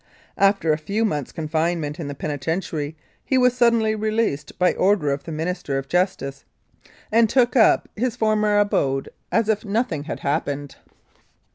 After a few months' confinement in the peniten tiary, he was suddenly released by order of the Minister of Justice, and took up his former abode as if nothing 102 1902 6. Maple Creek had happened.